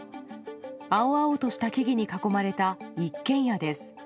青々とした木々に囲まれた一軒家です。